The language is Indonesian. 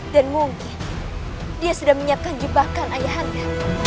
dan mungkin dia sudah menyiapkan jebakan ayah anda